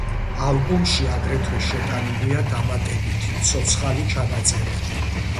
ალბომში აგრეთვე შეტანილია დამატებითი, ცოცხალი ჩანაწერები.